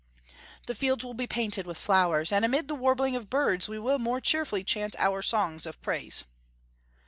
The fields will be painted with flowers, and amid the warbling of birds we will more cheerfully chant our songs of praise."